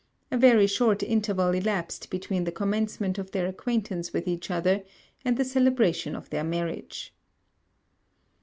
A very short interval elapsed between the commencement of their acquaintance with each other, and the celebration of their marriage.